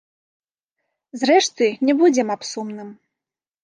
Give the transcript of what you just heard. Зрэшты, не будзем аб сумным.